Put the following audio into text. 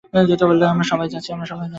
আমরা সবাই যাচ্ছি।